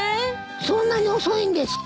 そんなに遅いんですか？